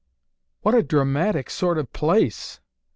"What a dramatic sort of place!"